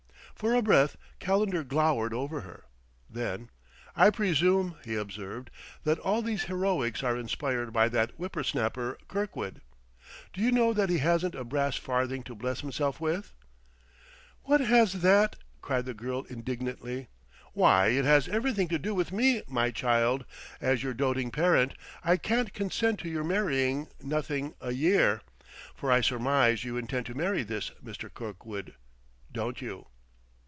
For a breath, Calendar glowered over her; then, "I presume," he observed, "that all these heroics are inspired by that whipper snapper, Kirkwood. Do you know that he hasn't a brass farthing to bless himself with?" "What has that ?" cried the girl indignantly. "Why, it has everything to do with me, my child. As your doting parent, I can't consent to your marrying nothing a year.... For I surmise you intend to marry this Mr. Kirkwood, don't you?"